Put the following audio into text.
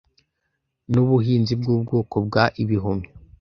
nubuhinzi bwubwoko bwa ibihumyo